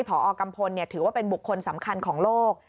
พอกัมพลถือว่าเป็นบุคคลสำคัญของโลก